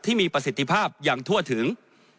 ที่มีประสิทธิภาพอย่างทั่วถึง